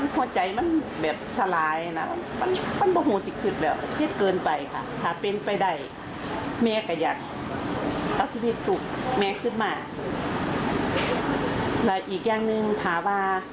พ่อแม่ของผู้เสียชีวิตบอกว่า